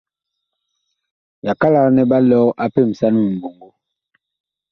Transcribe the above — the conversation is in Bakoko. Yakalak nɛ ɓa lɔg a pemsan miɓɔŋgo.